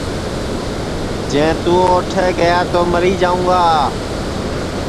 جے تُون اوٹھے گیا تو مری جاؤں گا